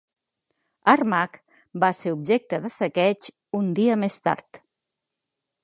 Armagh va ser objecte de saqueig un dia més tard.